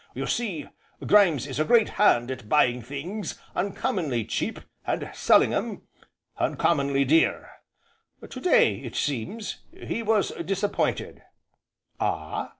You see, Grimes is a great hand at buying things uncommonly cheap, and selling 'em uncommonly dear. To day it seems he was disappointed " "Ah?"